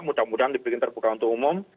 mudah mudahan dibikin terbuka untuk umum